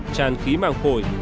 tràn khí màng phổi